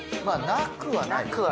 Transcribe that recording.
まあなくはない。